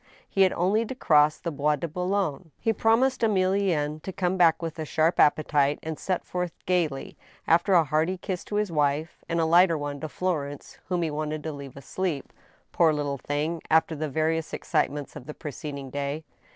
He had only to cross the Bois de Boulogne. He promised Emilienne to come back with a sharp appetite, and set forth gayly, after a hearty kiss to his wife, and a lighter one to Florenccr whom he wanted to leave asleep, poor little thing, after the various excitements of the preceding day.